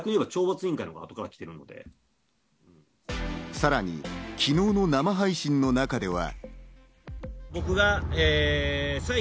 さらに昨日の生配信の中では。